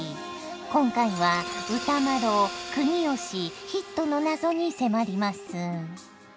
今回は歌麿・国芳ヒットの謎に迫ります。